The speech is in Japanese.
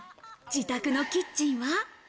自宅のキッチンは。